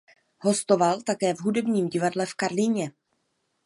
Hostoval také v Hudebním divadle v Karlíně.